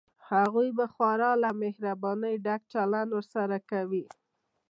هغوی به خورا له مهربانۍ ډک چلند ورسره کوي.